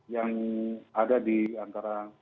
yang ada di antara